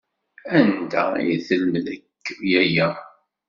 Anda ay telmed akk aya?